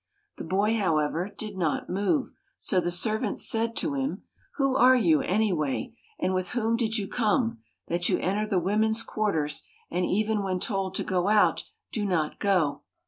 The boy, however, did not move, so the servant said to him, "Who are you, anyway, and with whom did you come, that you enter the women's quarters, and even when told to go out do not go?"